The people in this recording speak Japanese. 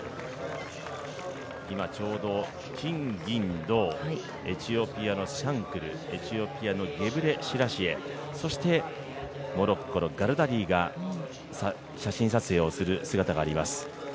今、ちょうど金、銀、銅、エチオピアのシャンクル、エチオピアのゲブレシラシエそしてモロッコのガルダディが写真撮影をする姿があります。